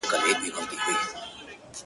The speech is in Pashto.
o اوس که را هم سي پر څنک رانه تېرېږي,